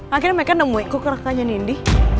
akhirnya mereka nemuin kok kakaknya nindi